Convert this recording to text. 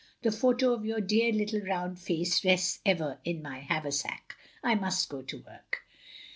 The photo of your dear little round face rests ever in my haversac — I must go to work.